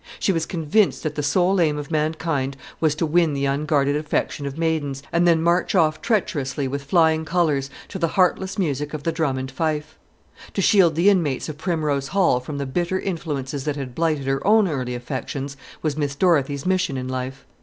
She was convinced that the sole aim of mankind was to win the unguarded affection of maidens, and then march off treacherously with flying colors to the heartless music of the drum and fife. To shield the inmates of Primrose Hall from the bitter influences that had blighted her own early affections was Miss Dorothy's mission in life.